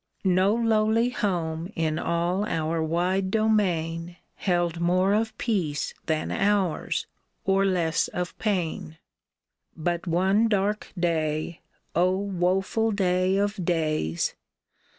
No lowly home in all our wide domain Held more of peace than ours, or less of pain. But one dark day — O, woeful day of days.